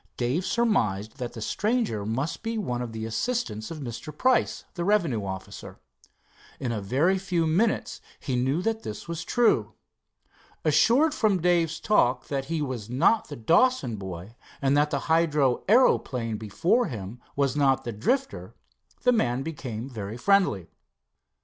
Dave surmised that the stranger must be one of the assistants of Mr. Price, the revenue officer. In a very few minutes he knew that this was true. Assured from Dave's talk that he was not the Dawson boy, and that the hydro aeroplane before him was not the Drifter, the man became very friendly.